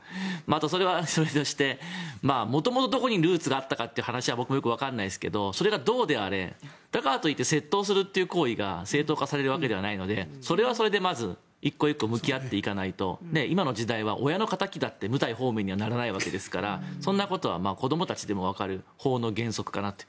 それはそれとして元々どこにルーツがあったかは僕、よくわからないですけどそれがどうであれだからといって窃盗するという行為が正当化されるわけではないのでそれはそれで、まず１個１個向き合っていかないと今の時代は親の仇だって無罪放免にはならないわけですからそんなことは子どもたちでもわかる法の原則かなと。